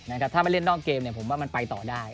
ถ้าไม่เล่นนอกเกมเนี่ยผมว่ามันไปต่อได้